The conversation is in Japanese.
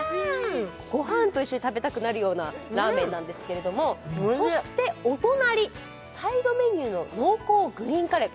ご飯と一緒に食べたくなるようなラーメンなんですけれどもそしてお隣サイドメニューの濃厚グリーンカレー